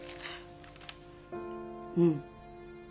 うん。